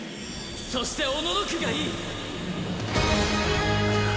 そしておののくがいい！